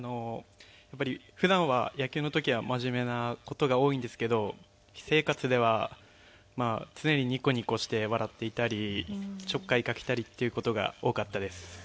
やっぱりふだんは野球の時は真面目な事が多いんですけど私生活では常にニコニコして笑っていたりちょっかいかけたりっていう事が多かったです。